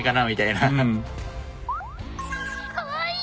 かわいい！